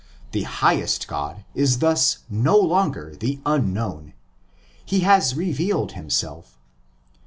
The highest God is thus no longer the Unknown. He has revealed himself.